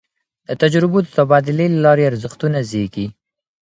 د تجربو د تبادلې له لاري ارزښتونه زېږي.